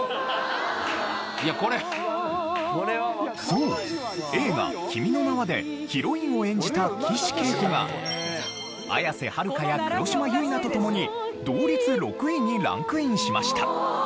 そう映画『君の名は』でヒロインを演じた岸惠子が綾瀬はるかや黒島結菜とともに同率６位にランクインしました。